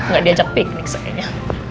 gak diajak piknik sepertinya